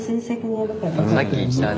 さっき言ったね。